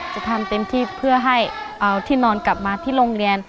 จะทำเต็มที่เพื่อให้เอาที่นอนกลับมาที่โรงเรียน